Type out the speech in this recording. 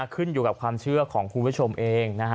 ขึ้นอยู่กับความเชื่อของคุณผู้ชมเองนะฮะ